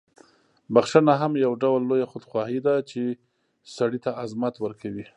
بخښنه هم یو ډول لویه خودخواهي ده، چې سړی ته عظمت ورکوي.